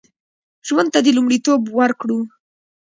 ژوند ته لومړیتوب ورکړو